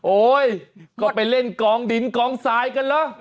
โอ๊ยก็ไปเล่นกองดินกองทรายกันเหรอ